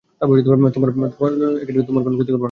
তোমার কোনো ক্ষতি করব না।